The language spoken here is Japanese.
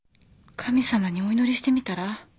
神様にお祈りしてみたら？